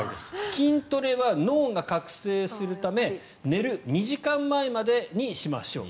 筋トレは脳が覚醒するため寝る２時間前までにしましょう。